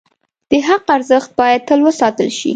د حق ارزښت باید تل وساتل شي.